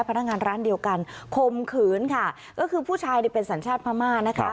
พนักงานร้านเดียวกันคมขืนค่ะก็คือผู้ชายเนี่ยเป็นสัญชาติพม่านะคะ